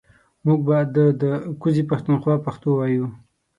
مونږ به ده ده کوزې پښتونخوا پښتو وايو